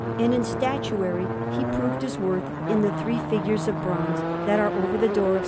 And in statuary, he proved his worth in the three figures of bronze that are over the door of S.